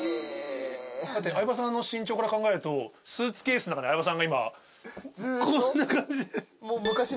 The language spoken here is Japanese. だって相葉さんの身長から考えるとスーツケースの中に相葉さんが今こんな感じで。